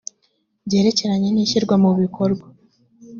byerekeranye n ishyirwa mu bikorwa